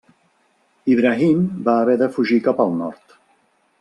Ibrahim va haver de fugir cap al nord.